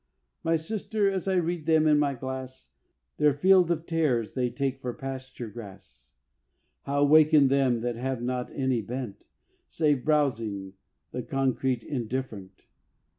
My sister, as I read them in my glass, Their field of tares they take for pasture grass. How waken them that have not any bent Save browsing the concrete indifferent!